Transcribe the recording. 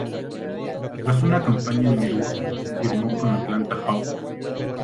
Tras una campaña en Milwaukee, firmó con Atlanta Hawks.